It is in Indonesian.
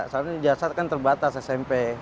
soalnya jasad kan terbatas smp